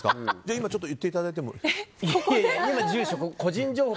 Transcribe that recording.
今、ちょっと言っていただいても。